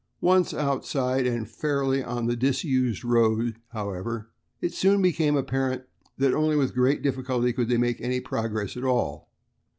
Once outside and fairly on the disused road, however, it soon became apparent that only with great difficulty could they make any progress at all.